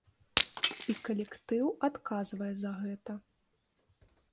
І калектыў адказвае за гэта.